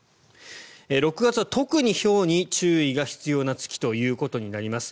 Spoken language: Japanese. ６月は特に、ひょうに注意が必要な月ということになります。